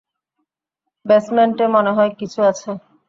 বেসমেন্টে মনেহয় কিছু আছে।